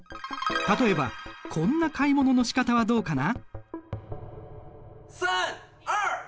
例えばこんな買い物のしかたはどうかな？